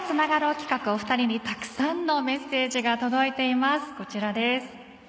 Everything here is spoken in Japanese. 企画お二人にたくさんのメッセージが届いています。